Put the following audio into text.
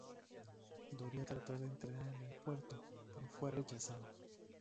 Doria trató de entrar en el puerto pero fue rechazado.